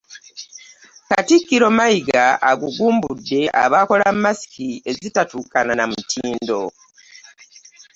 Katikkiro Mayiga agugumbudde abakola mmasiki ezitatuukana na mutindo